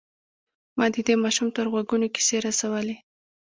ما د دې ماشوم تر غوږونو کيسې رسولې.